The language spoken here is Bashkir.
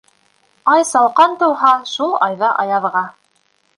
Ай салҡан тыуһа, шул айҙа аяҙға.